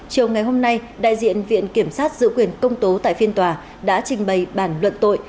chiều ngày hôm nay đại diện viện kiểm sát giữ quyền công tố tại phiên tòa đã trình bày bản luận tội